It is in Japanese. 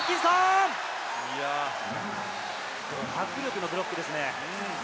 ド迫力のブロックですね。